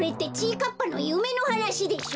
かっぱのゆめのはなしでしょ！？